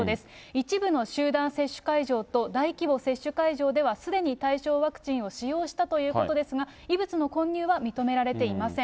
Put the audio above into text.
一部の集団接種会場と大規模接種会場では、すでに対象ワクチンを使用したということですが、異物の混入は認められていません。